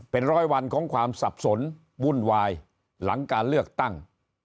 เป็นร้อยวันของความสับสนวุ่นวายหลังการเลือกตั้ง